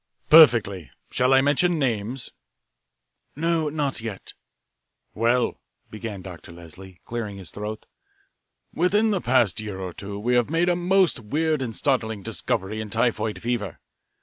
"Perfectly. Shall I mention names?" "No, not yet." "Well," began Dr. Leslie, clearing his throat, "within the past year or two we have made a most weird and startling discovery in typhoid fever.